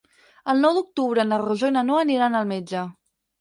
El nou d'octubre na Rosó i na Noa aniran al metge.